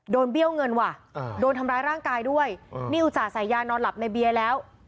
เบี้ยวเงินว่ะโดนทำร้ายร่างกายด้วยนี่อุตส่าห์ใส่ยานอนหลับในเบียร์แล้ว